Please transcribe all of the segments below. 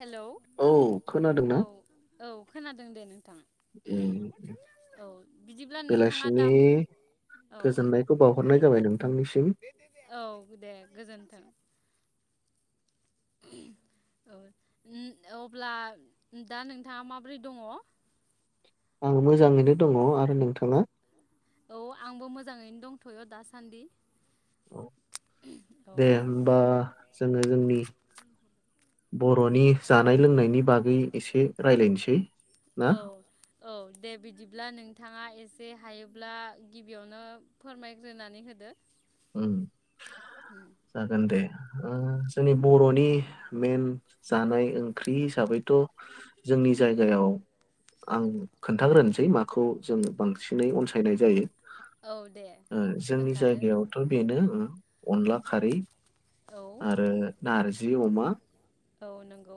Hello औ औ खोनादों दे नोंथां औ बिदिब्ला नोंथाङा दाम औ औ दे गोजोन्थों। औ अब्ला दा नोंथाङा माब्रै दङ? औ मोजाङैनो दङ आरो नोंथाङा? मोजाङैनो दंथ'यो दासान्दि। औ दे होनबा जोंङो जोंनि बर'नि जानाय लोंनायनि बागै एसे राय्लायनोसै औ औ दे बिदि बिब्ला नोंथाङा एसे हायोब्ला गिबियावनो फोरमायग्रोनानै होदो ओ जागोन दे। ओ जोंनि बर'नि मेन जानाय ओंख्रि हिसाबैथ' जोंनि जायगायाव आं खोन्थाग्रोनोसै माखौ जों बांसिनै अनसायनाय जायो। औ दे खोन्थादो। थ' बेनो अनला खारै आरो नारजि अमा हो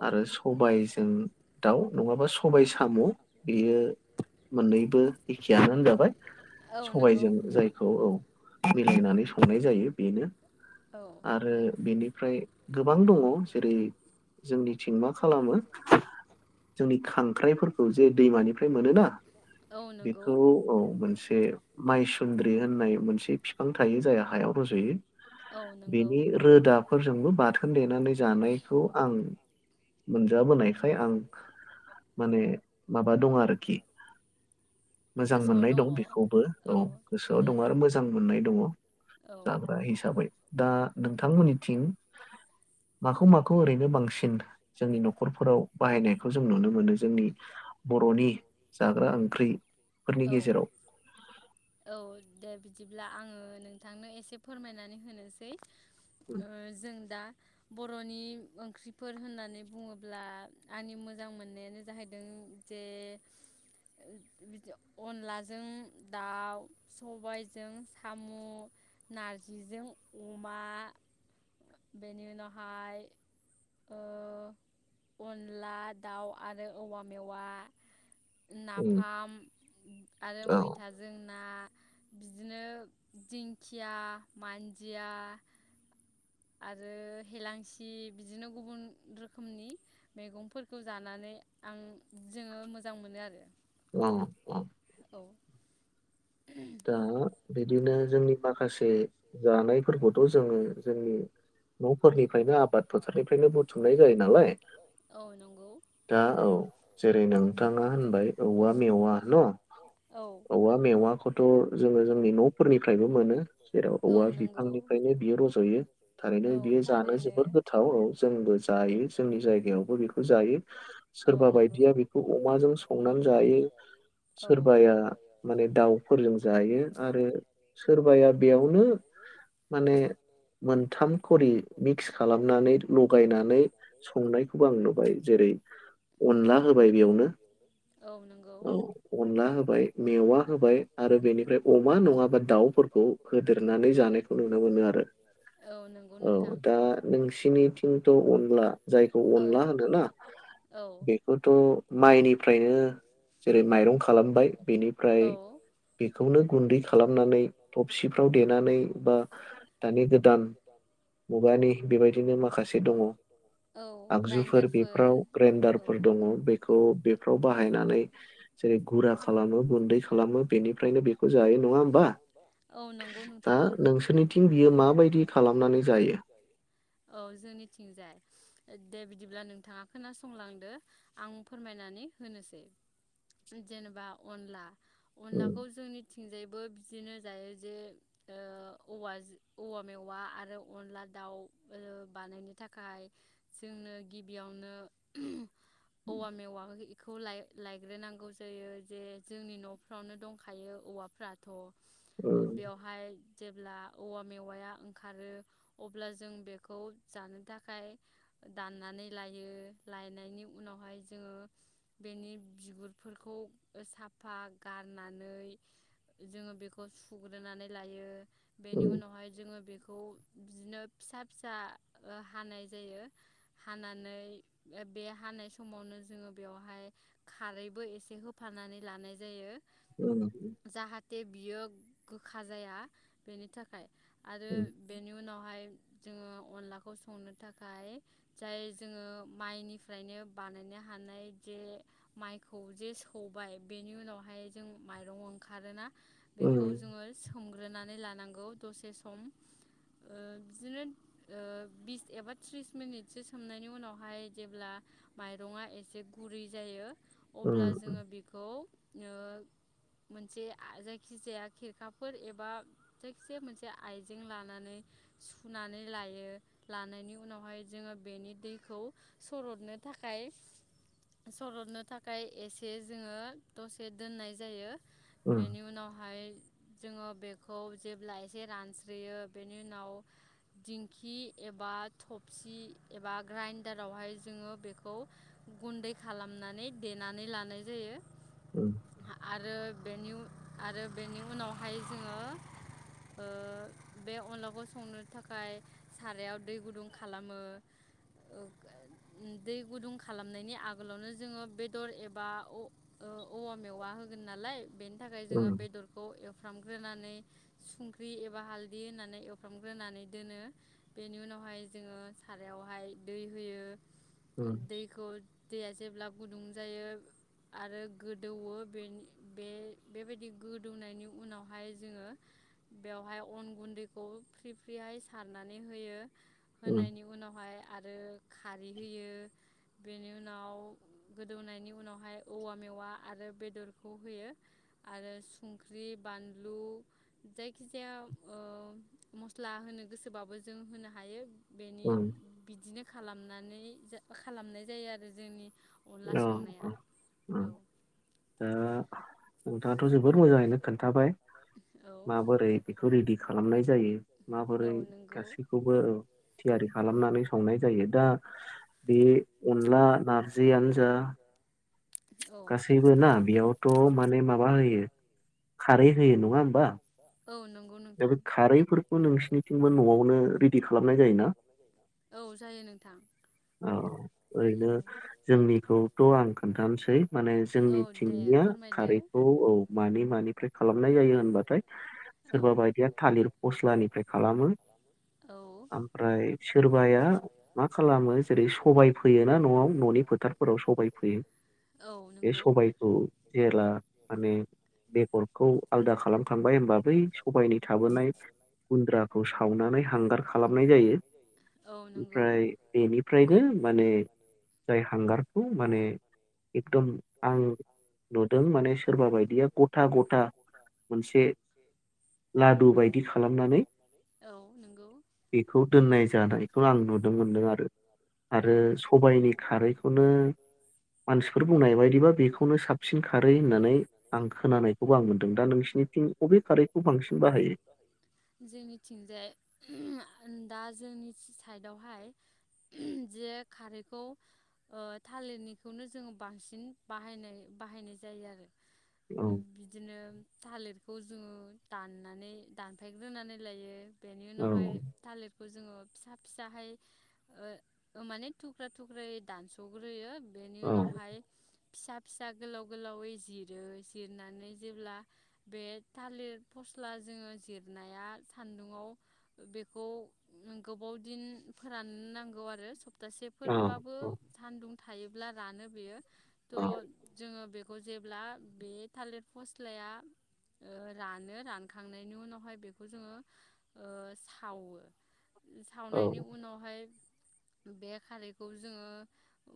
आरो सबायजों दाउ नङाबा सबाय साम' बेयो मोननैबो एखेयानो होनजाबाय सबायजों जायखौ औ मिलायनानै स मोननाय जायो बेनो आरो बेनिफ्राय गोबां दङ जेरै जोंनिथिं मा खालामो जोंनि खांख्राइफोर खौ जे दैमानिफ्राय मोनोना बेखौ औ मोनस से माइसुन्द्रि होननाय मोनसे फिफां थायो जाया हायाव रज'यो बेनि रोदाफोरजोंबो बाथोन देनानै जानायखौ आं मोनजाबोनायखाय आं माने माबा दङ आरोखि मोजां मोननाय दं बेखौबो औ गोसोआव दङ आरो मोजां मोननाय दङ जाग्रा हिसाबै दा नोंथांमोननिथिं माखौ माखौ ओरैनो बांसिन जोंनि न'खरफोराव बाहायनायखौ जों नुनो मोनो जोंनि बर'नि जाग्रा ओंख्रिफोरनि गेजेराव बिदिब्ला आङो नोंथांनो एसे फोरमायनानै होनोसै ओ जों दा बर'नि ओंख्रिफोर होननानै बुङोब्ला आंनि मोजां मोननायानो जाहैदों जे अनलाजों दाउ सबायजों साम' नारजिजों अमा बेनि उनावहाय ओ अनला दाउ आरो औवा मेवा नाफाम आरो मैथाजों ना बिदिनो दिंखिया मान्जिया आरो हेेलांसि बिदिनो गुबुन रोखोमनि मैगंफोरखौ जानानै आं जोङो मोजां मोनो आरो औ दा बिदिनो जोंनि माखासे जानायफोरखौ थ जोङो जोंनि न'फोरनिफ्रायनो आबाद फोथारनिफ्रायनो बुथुमनाय जायो नालाय दा औ जेरै नोंथाङा होनबाय औवा मेवा न औवा मेवाखौ थ जोङो जोंनि न'फोरनिफ्रायबो मोनो जेराव औवा बिफांनिफ्रायनो बेयो रज'यो थारैनो बेयो जानो जोबोर गोथाव औ जोंबो जायो जोंनि जायगायावबो बेखौ जायो सोरबा बायदिया बेखौ अमाजों संनानै जायो सोरबाया माने दाउ जों जायो आरो सोरबाया बेयावनो माने मोनथाम खरि मिक्स खालामनानै लगायनानै संनायखौबो आं नुबाय जेरै अनला होबाय बेयावनो औ अनला होबाय मेवा होबाय आरो बेनिफ्राय अमा नङाबा दाउफोरखौ होदेरनानै जानायखौ नुनो मोनो। औ दा नोंसिनिथिंथ' अनला, जायखौ अनला होनोना? बेखौथ' माइनिफ्रायनो जेरै माइरं खालामबाय बेनिफ्राय बेखौनो गुन्दै खालामनानै थबसिफ्राव देनानै बा दानि गोदान मुगानि बेबायदिनो माखासे दङ आगजुफोर बेफ्राव ग्राइन्डारफोर दङ, बेखौ बेफ्राव बाहायनानै जेरै गुरा खालामो गुन्दै खालामो। बेनिफ्रायनो बेखौ जायो नङा होमबा? दा नोंसोरनिथिं। [unintelligible] औ जोंनिथिंजाय दे बिदिब्ला नोंथाङा खोनासंलांदो आं फोरमायनानै होनोसै, जेनेबा अनला अनलाखौ जोंनिथिंजायबो बिदिनो जायो जे, औवा औवा मेवा आरो अनला दाउ बानायनो थाखाय जोंनो गिबियावनो औवा मेवाखौ लायग्रोनांगौ जायो। जे जोंनि न'फ्रावनो दंखायो औवाफ्राथ' बेवहाय जेब्ला। औवा मेवाया ओंखारो, अब्ला जों बेखौ जानो थाखाय दाननानै लायो लायनायनि उनावहाय जोङो बेनि बिगुरफोरखौ साफा गारनानै जोङो बेखौ सुग्रोनानै लायो। बेनि उनावहाय जोङो बे खौ बिदिनो फिसा फिसा हानाय जायो। हानानै बे हानाय समावनो जोङो बेवहाय खारैबो एसे होफानानै लानाय जायो। जाहाथे बियो गोखा जाया। बेनि थाखाय आद बेनि उनाव हाय जोङो अनलाखौ संनो थाखाय, जाय जोङो माइनिफ्रायनो बानायनो हानाय जे माइखौ जे सौबाय बेनि उनावहाय जों माइरं ओंखारोना? बेखौ जोङो सोमग्रोना [unintelligible] नांगौ दसे सम बिदिनो बिस एबा थ्रिस मिनिटसो सोमनायनि उनावहाय जेब्ला माइरङा एसे गुरै जायो। अब्ला जोङो बेखौ ओ मोनसे जायखिजाया खेरखाफोर एबा जायखिसे मोनसे आइजें लानानै सुनानै लायो। लानायनि उनावहाय जोङो बेनि दैखौ सरदनो थाखाय सरदनो थाखाय एसे जोङो दसे दोननाय जायो। बेनि उनावहाय। जोङो बे खौ जेब्ला एसे रानस्रियो बेनि उनाव दिंखि एबा थबसि एबा ग्राइडारावहाय जोङो बेखौ गुन्दै खालामनानै देनानै लानाय जायो। आरो बेनि आरो बेनि उनावहाय जोङो। बे अनलाखौ संनो थाखाय सारायाव दै गुदुं खालामो दै गुदुं खालामनायनि आगोलावनो जोङो बेदर एबा ओ औवा मेवा होगोन नालाय, बेनि थाखाय जोङो बेदरखौ एवफ्राम ग्रोनानै संख्रि एबा हालदै होननानै एवफ्रामग्रोनानै दोनो बेनि उनावहाय जोङो सारायावहाय दै होयो। दैखौ दैया जेब्ला गुदुं जायो आरो गोदौवो बेनि बे बेबायदि गोदौनायनि उनावहाय जोङो। बेवहाय अन गुन्दैखौ फ्रि फ्रिहाय सारनानै होयो। होनायनि उनावहाय आरो खारै होयो बेनि उनाव गोदौनायनि उनावहाय औवा मेवा आरो बेदरखौ होयो आरो संख्रि बानलु जायखिजाया ओ मसला होनो गोसोब्लाबो जों होनो हायो। बेनि बिदिनो खालामनानै जा खालामनाय जायो आरो जोंनि औ उम दा नोंथाङाथ' जो बोर मोजाङैनो खोन्थाबाय। माबोरै बेखौ रेडि खालामनाय जायो माबोरै गासैखौबो औ थियारि खालामनानै संनाय जायो दा बे अनला नार जियानो जा गासैबो ना बेयावथ' माने माबा होयो खारै होयो नङा होमबा। दा बे खारैफोरखौ नोंसिनिथिंबो न'आवनो रेडि खालामनाय जायोना? औ ओरैनो जोंनिखौथ' आं खोन्थानोसै माने जोंनि थिंनिया खारैखौ औ मानि मानिफ्राय खालामनाय जायो होनबाथाय सोरबा बायदिया थालिर फस्लानिफ्राय खालामो ओमफ्राय सोरबाया मा खाला मो जेरै सबाय फैयोना न'आव न'नि फोथारफोराव सबाय फैयो बे सबायखौ जेब्ला माने बेगरखौ आलदा खालामखांबाय होनबा बै सबायनि थाबोनाय गुन्द्राखौ सावनानै हांगार खालामनाय जायो। ओमफ्राय बेनिफ्रायनो माने जाय हांगारखौ माने एकदम आं नुदों माने सोरबा बायदिया गथा गथा मोनसे लादु बायदि खालामनानै बेखौ दोननाय जानायखौ आं नुदोंमोनदों।। आरो सबायाइनि खारैखौनो मानसिफोर बुंनाय बायदिबा बेखौनो साबसिन खारै होननानै आं खोनानायखौबो आं मोनदों दा नोंसिनिथिं अबे खारै जोंनिथिंजाय दा जोंनि साइडआवहाय जे खारैखौ ओ थालिरनिखौनो जोङो बांसिन बाहायनाय बाहायनाय जायो आरो। बिदिनो थालिर खौ जोङो दाननानै दानफायग्रोनानै लायो बेनि उनावहाय थालिरखौ जोङो फिसा फिसाहाय ओ माने थुख्रा थुख्रायै दानस'ग्रोयो। बेनि उनावहाय फिसा फिसा गोलाव गोलावै जिरो जिरनानै जेब्ला बे थालिर फस्ला जोङो जिरनाया सान्दुंआव बेखौ गोबाव दिन फोरान नांगौ आरो सबथासेफोरबाबो सान्दुं थायो ब्ला रानो बेयो। थ' जोङो बे खौ जेब्ला बे थालिर फस्लाया ओ रानो रानखांनायनि उनावहाय बेखौ जोङो ओ सावो। सावनायनि उ न'आवहाय बे खारैखौ जोङो ओ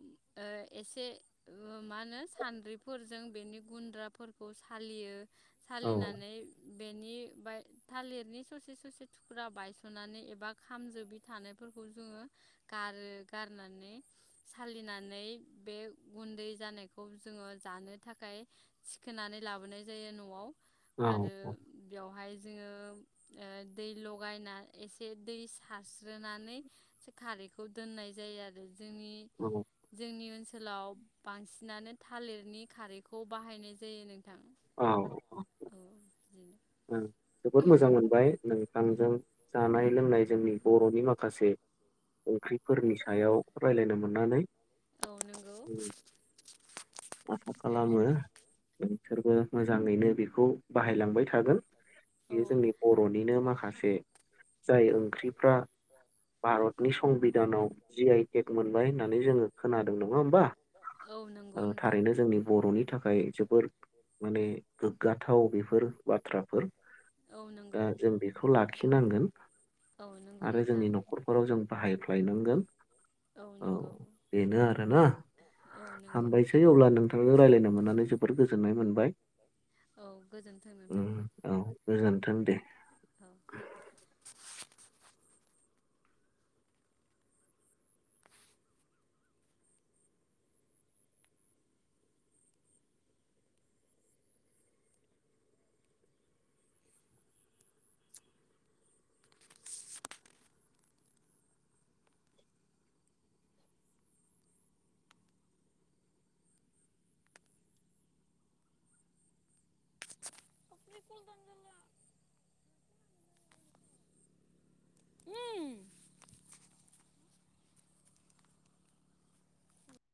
एसे मा होनो सान्द्रिफोरजों बेनि गुन्द्राफोरखौ सालियो। सालिनानै बेनि बा थालिरनि ससे ससे थुख्रा बायसनानै एबा खामजोबि थानाय फोरफोरखौ जोङो गारो गारनानै सालिनानै बे गुन्दै जानायखौ जोङो जानो थाखाय थिखोनानै लाबोनाय जायो नआव आरो बेवहाय जोङो ओ दै लगायना एसे दै सारस्रोन नानै खारैखौ दोननाय जायो आरो जोंनि जोंनि ओ ओनसोलाव बांसिनानो थालिरनि खारैखौ बाहायनाय जायो नों औ औ बिदिनो [unintelligible] जोबोद मोजां मोनबाय नोंथांजों जानाय लोंनाय जोंनि बरनि माखासे ओंख्रिफोरनि सायाव रायज्लायनो मोननानै आसा खालामो नोंसोरबो मोजाङैनो बेखौ बाहायलांबाय थागोन बे जोंनि बरनिनो माखासे जाय ओंख्रिफ्रा भारतनि संबिधानाव जि आइ टेक मोनबाय होननानै जोङो खोनादों नङा होमबा थारैनो जोंनि बरनि थाखाय जोबोर माने गोग्गाथाव बेफोर बाथ्राफोर दा जों बेखौ लाखिनांगोन आरो जोंनि नखरफोराव जों बाहायफ्लायनांगोन औ बेनो आरोना हामबायसै अब्ला नोंथांजों रायज्लायनो मोननानै जोबोर गोजोननाय मोनबाय औ गोजोनथों दे उ [unintelligible]